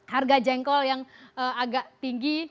harga jengkol yang agak tinggi